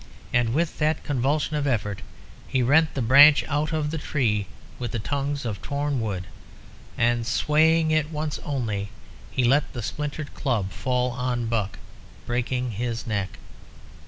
And with that convulsion of effort he rent the branch out of the tree, with tongues of torn wood; and, swaying it once only, he let the splintered club fall on Buck, breaking his neck.